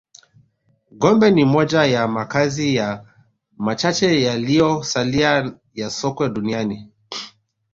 Gombe ni moja ya makazi ya machache yaliyosalia ya Sokwe duniani